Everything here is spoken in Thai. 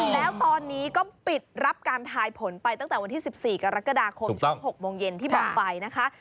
แล้วตอนนี้ก็ปิดรับการทายผลไปตั้งแต่วันที่๑๔กรกฎาคมช่วง๖โมงเย็นที่บอกไปนะคะ